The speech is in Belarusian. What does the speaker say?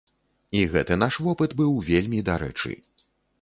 І гэты наш вопыт быў вельмі дарэчы.